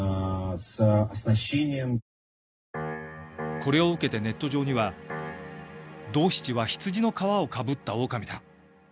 これを受けてネット上には「ドーシチは羊の皮をかぶったオオカミだ」